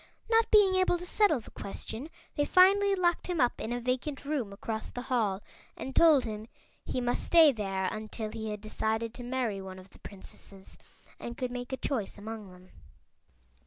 Not being able to settle the question they finally locked him up in a vacant room across the hall and told him he must stay there until he had decided to marry one of the Princesses and could make a choice among them.